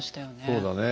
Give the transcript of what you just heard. そうだねえ。